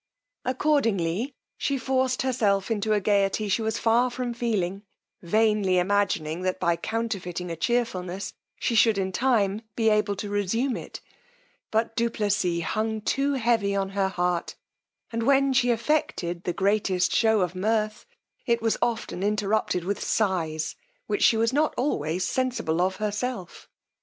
Accordingly she forced herself to a gaiety, she was far from feeling, vainly imagining that by counterfeiting a chearfulness, she should in time be able to resume it; but du Plessis hung too heavy at her heart, and when she affected the greatest shew of mirth, it was often interrupted with sighs, which she was not always sensible of herself.